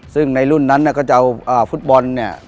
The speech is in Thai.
ซึ่งในรุ่นนั้นก็จะเอาฟุตบอลเนี่ย